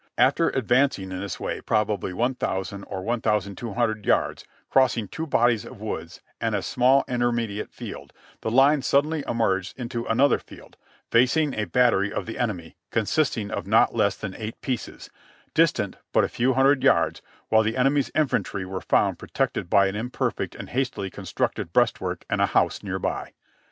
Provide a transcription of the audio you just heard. "After advancing in this way probably i,ooo or 1,200 yards, crossing two bodies of woods and a small intermediate field, the lines suddenly emerged into another field, facing a battery of the enemy, consisting of not less than eight pieces, distant but a few hundred yards, while the enemy's infantry were found protected by an imperfect and hastily constructed breastwork and a house near by.